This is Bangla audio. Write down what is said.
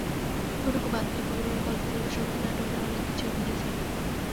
ওইটুকু বাদ দিলে পরিবারের গল্পগুলোর সঙ্গে নাটকের অনেক কিছুই মিলে যায়।